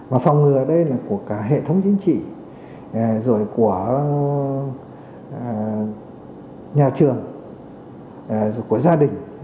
và phòng ngừa ở đây là của cả hệ thống chính trị rồi của nhà trường rồi của gia đình